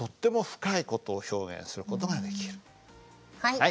はい。